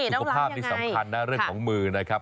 สุขภาพนี้สำคัญนะเรื่องของมือนะครับ